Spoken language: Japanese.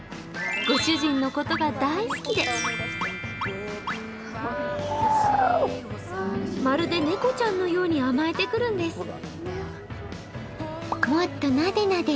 ご主人のことが大好きでまるで猫ちゃんのように甘えてくるんです。